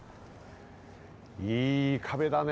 いい壁だね。